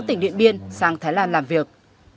tỉnh điện biên sang thái lan làm việc